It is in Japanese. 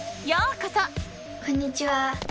こんにちは。